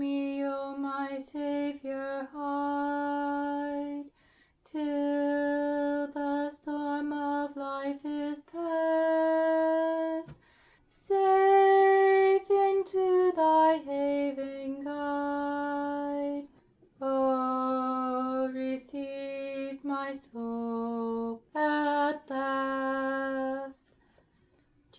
Hide me, O my Saviour, hide Till the storm of life is past; Safe into Thy haven guide, O receive my soul at last.